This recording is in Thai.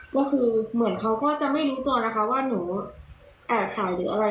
ก็คือเหมือนเขาก็จะไม่รู้ตัวนะคะว่าหนูอ่านข่าวหรืออะไร